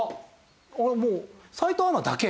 あらもう斎藤アナだけ？